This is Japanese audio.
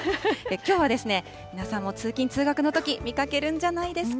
きょうはですね、皆さんも通勤・通学のとき、見かけるんじゃないですか。